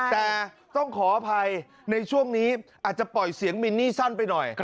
แต่ต้องขออภัยในช่วงนี้อาจจะปล่อยเสียงมินนี่สั้นไปหน่อย